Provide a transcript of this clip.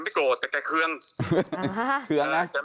พี่หนุ่ม